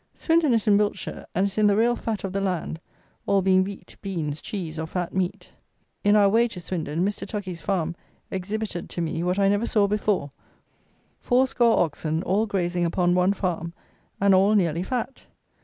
Swindon is in Wiltshire, and is in the real fat of the land, all being wheat, beans, cheese, or fat meat. In our way to Swindon, Mr. Tucky's farm exhibited to me what I never saw before, four score oxen, all grazing upon one farm, and all nearly fat!